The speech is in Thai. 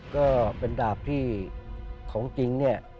ก็เป็นดาบที่ของจริงเนี่ย